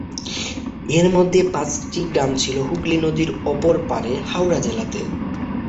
এর মধ্যে পাঁচটি গ্রাম ছিলো হুগলী নদীর অপর পাড়ে হাওড়া জেলাতে।